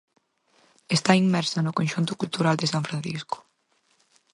Está inmersa no conxunto cultural de San Francisco.